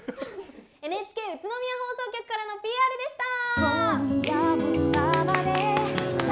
ＮＨＫ宇都宮放送局からのＰＲでした！